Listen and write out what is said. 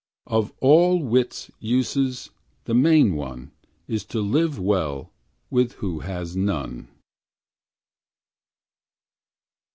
Of all wit's uses, the main one Is to live well with who has none.